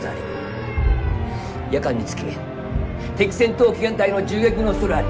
夜間につき敵戦闘機編隊の銃撃のおそれあり。